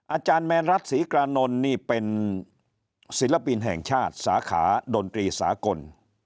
อาจารย์แมนรัฐศรีกรานนท์นี่เป็นศิลปินแห่งชาติสาขาดนตรีสากล